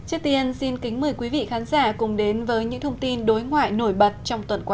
trước tiên chúng tôi sẽ kính mời quý vị khán giả cùng đến với những thông tin đối ngoại nổi bật trong tuần qua